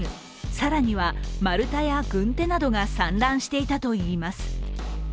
更には、丸太や軍手などが散乱していたといいます。